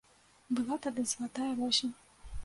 Была тады залатая восень.